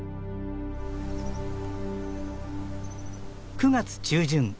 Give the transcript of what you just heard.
９月中旬。